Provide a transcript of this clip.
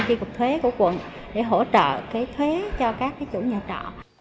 tri cục thuế của quận để hỗ trợ cái thuế cho các chủ nhà trọ